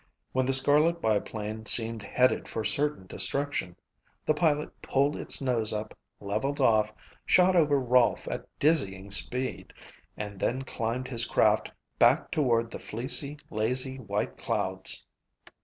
When the scarlet biplane seemed headed for certain destruction the pilot pulled its nose up, levelled off, shot over Rolfe at dizzying speed and then climbed his craft back toward the fleecy, lazy white clouds.